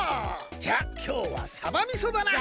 じゃあきょうはさばみそだな！